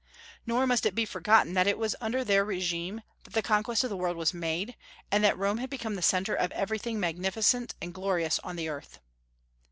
Nor must it be forgotten that it was under their régime that the conquest of the world was made, and that Rome had become the centre of everything magnificent and glorious on the earth.